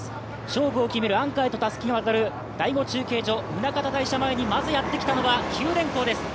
勝負を決めるアンカーへとたすきが渡る第５中継所、宗像大社前にまずやってきたのは九電工です。